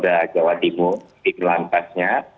kalau sudah jawa timur titik lantasnya